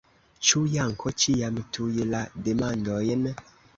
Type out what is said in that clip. Ĉu Janko ĉiam tuj la demandojn?